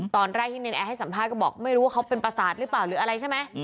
ตอนแรกที่เนรแอร์ให้สัมภาษณ์ก็บอกไม่รู้ว่าเขาเป็นประสาทหรือเปล่าหรืออะไรใช่ไหม